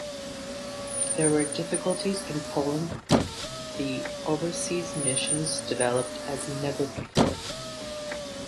There were difficulties in Poland but the overseas missions developed as never before.